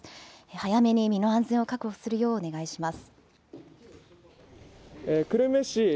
早めに身の安全を確保するようお願いします。